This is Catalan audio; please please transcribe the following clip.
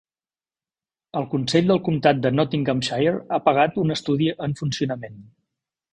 El Consell del Comtat de Nottinghamshire ha pagat un estudi en funcionament.